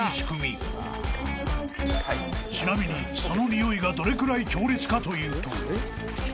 ［ちなみにその臭いがどれくらい強烈かというと］